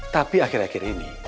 tapi akhir akhir ini